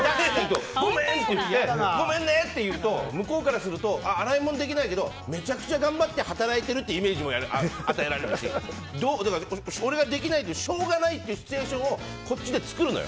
ごめん！って言うと向こうからすると洗い物できないけどめちゃめちゃ頑張って働いてるってイメージを与えられるし俺ができない、しょうがないというシチュエーションをこっちで作るのよ。